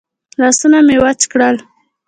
لاسونه مې وچ کړل.